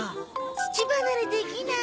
乳離れできない。